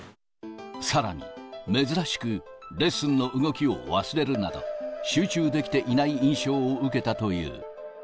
さらに、珍しくレッスンの動きを忘れるなど、集中できていない印象を受けたという。